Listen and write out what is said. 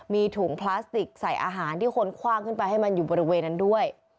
มีถุงพลาสติกใส่อาหารที่คนคว่างขึ้นไปให้มันอยู่บริเวณนั้นด้วย